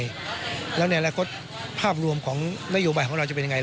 อ่อนอย่างไรแล้วในแหละกดภาพรวมของนโยบัยของเราจะเป็นอย่างไร